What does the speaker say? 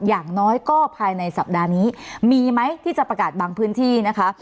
อย่างน้อยก็ภายในสัปดาห์นี้มีไหมที่จะประกาศบางพื้นที่นะคะ